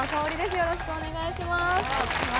よろしくお願いします。